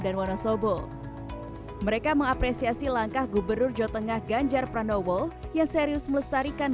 dan wonosobo mereka mengapresiasi langkah gubernur jotengah ganjar pranowo yang serius melestarikan